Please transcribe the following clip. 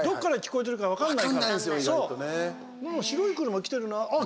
白い車来てるなあっ！